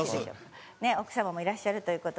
ねえ奥様もいらっしゃるという事で。